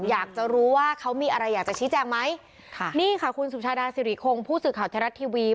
อยากจะรู้ว่าเขามีอะไรอยากจะชี้แจงไหมค่ะนี่ค่ะคุณสุชาดาสิริคงผู้สื่อข่าวไทยรัฐทีวี